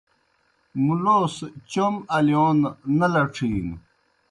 مُلوس چوْم الِیون نہ لڇِھینوْ۔